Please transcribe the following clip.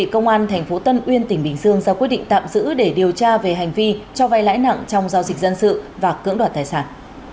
công an tp tân uyên tỉnh bình dương ra quyết định tạm giữ để điều tra về hành vi cho vay lãi nặng trong giao dịch dân sự và cưỡng đoạt tài sản